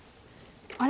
あれ？